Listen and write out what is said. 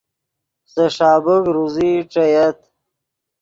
سے ݰابیک روزئی ݯییت